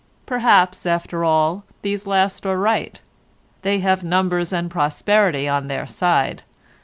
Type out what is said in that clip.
Perhaps, after all, these last are right. They have numbers and prosperity on their side.